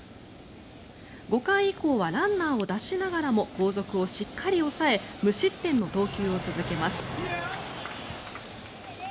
５回以降はランナーを出しながらも後続をしっかり抑え無失点の投球を続けます。